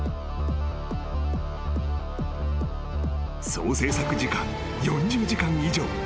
［総制作時間４０時間以上］